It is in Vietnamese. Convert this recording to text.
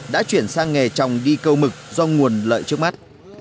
đã chuyển sang nghề trồng đi câu mực do nguồn lợi trước mắt